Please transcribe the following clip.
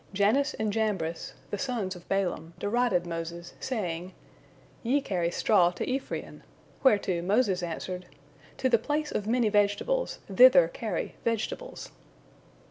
Jannes and Jambres, the sons of Balaam, derided Moses, saying, "Ye carry straw to Ephrain!" whereto Moses answered, "To the place of many vegetables, thither carry vegetables."